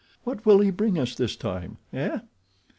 What will he bring us this time, eh?